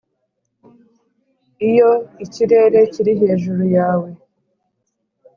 iyo ikirere kiri hejuru yawe